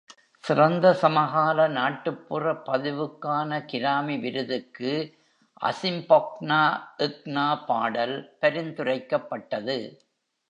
"சிறந்த சமகால நாட்டுப்புற பதிவு" க்கான கிராமி விருதுக்கு "அசிம்பொக்னாக்னா" பாடல் பரிந்துரைக்கப்பட்டது.